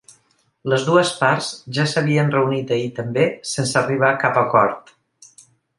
Les dues parts ja s’havien reunit ahir també sense arribar a cap acord.